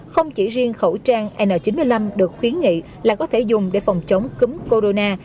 không chỉ riêng khẩu trang n chín mươi năm được khuyến nghị là có thể dùng để phòng chống cúm corona